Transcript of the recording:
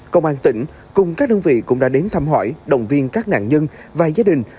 công an tỉnh cùng các đơn vị cũng đã đến thăm hỏi động viên các nạn nhân và gia đình